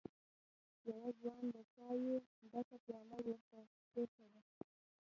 يوه ځوان د چايو ډکه پياله ور ته کېښوده.